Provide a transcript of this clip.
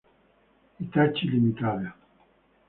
Hitachi, Ltd.